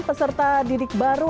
ketika didik baru